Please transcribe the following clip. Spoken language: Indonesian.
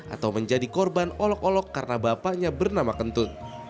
atau menjadi korban olok olok karena bapaknya bernama kentut